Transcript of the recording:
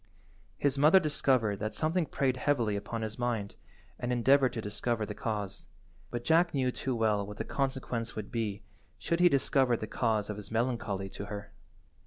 His mother discovered that something preyed heavily upon his mind, and endeavoured to discover the cause, but Jack knew too well what the consequence would be should he discover the cause of his melancholy to her.